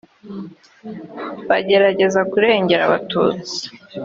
bagerageza kurengera abatutsi